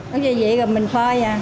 ướp gia vị rồi mình phơi